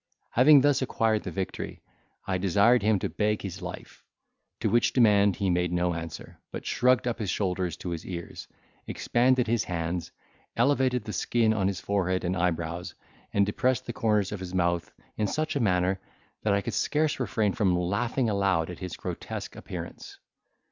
Having thus acquired the victory, I desired him to beg his life; to which demand he made no answer, but shrugged up his shoulders to his ears, expanded his hands, elevated the skin on his forehead and eyebrows, and depressed the corners of his mouth in such a manner, that I could scarce refrain from laughing aloud at his grotesque appearance.